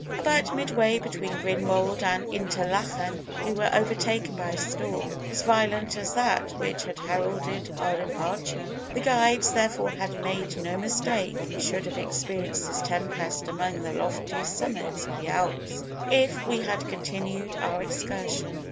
"About midway between Grindelwald and Interlachen, we were overtaken by a storm as violent as that which had heralded our departure. "The guides, therefore, had made no mistake. We should have experienced this tempest among the loftiest summits of the Alps, if we had continued our excursion.